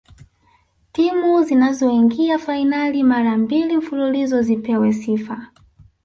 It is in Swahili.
timu zinazoingia fainali mara mbili mfululizo zipewe sifa